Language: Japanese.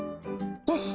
よし！